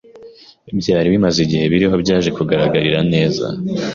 byari bimaze igihe biriho byaje kugaragarira neza